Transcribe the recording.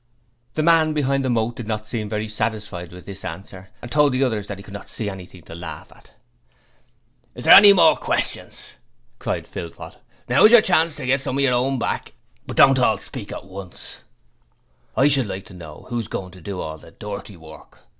The man behind the moat did not seem very satisfied with this answer, and told the others that he could not see anything to laugh at. 'Is there any more questions?' cried Philpot. 'Now is your chance to get some of your own back, but don't hall speak at once.' 'I should like to know who's goin' to do all the dirty work?'